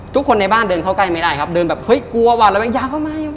ทุกคนในบ้านเดินเข้าใกล้ไม่ได้ครับเดินแบบเฮ้ยกลัวว่าระแวงยางเข้ามา